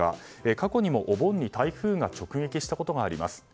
過去にもお盆に台風が直撃したことがあります。